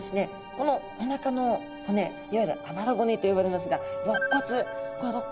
このおなかの骨いわゆるあばら骨と呼ばれますがろっ骨このろっ骨が短いんです。